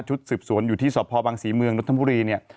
ชุดสืบสวนอยู่ที่สพบังศรีเมืองนทบุรีเนี่ย